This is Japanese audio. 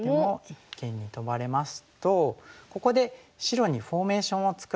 一間にトバれますとここで白にフォーメーションを作られてしまう。